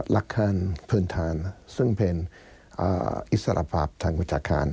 ลักษณ์เพลินทานซึ่งเป็นอิสระภาพทางวิทยาคาร